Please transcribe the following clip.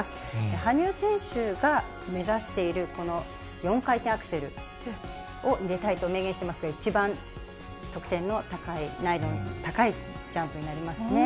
羽生選手が目指しているこの４回転アクセルを入れたいと明言してますが、一番得点の高い、難易度の高いジャンプになりますね。